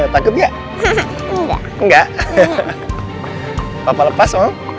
takut nggak enggak